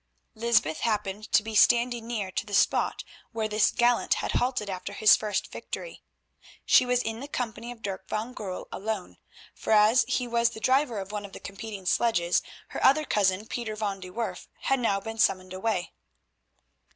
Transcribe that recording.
Lysbeth happened to be standing near to the spot where this gallant had halted after his first victory. She was in the company of Dirk van Goorl alone—for as he was the driver of one of the competing sledges, her other cousin, Pieter van de Werff, had now been summoned away.